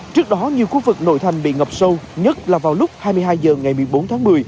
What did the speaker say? trước đó nhiều khu vực nội thành bị ngập sâu nhất là vào lúc hai mươi hai h ngày một mươi bốn tháng một mươi